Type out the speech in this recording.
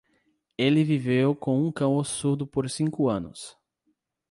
Ele viveu com um cão ossudo por cinco anos.